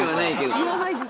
言わないです。